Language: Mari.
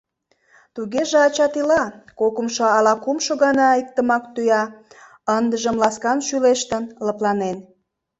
— Тугеже, ачат ила... — кокымшо ала кумшо гана иктымак тӱя, ындыжым ласкан шӱлештын, лыпланен.